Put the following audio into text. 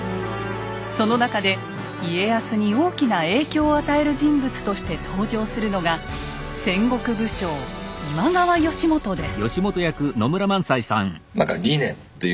その中で家康に大きな影響を与える人物として登場するのが戦国武将今川義元です。